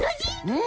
うん？